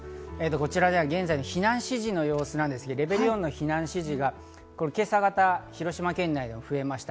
こちらでは現在の避難指示の様子、レベル４の避難指示が今朝がた広島県内で出ました。